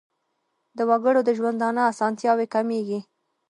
د وګړو د ژوندانه اسانتیاوې کمیږي.